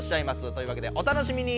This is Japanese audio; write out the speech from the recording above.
というわけでお楽しみに。